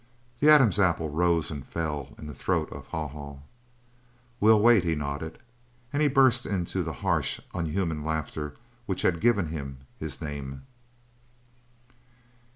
The Adam's apple rose and fell in the throat of Haw Haw. "We'll wait," he nodded, and he burst into the harsh, unhuman laughter which had given him his name.